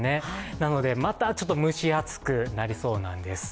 なので、また蒸し暑くなりそうなんです。